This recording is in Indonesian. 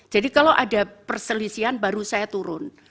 jadi kalau ada perselisihan baru saya turun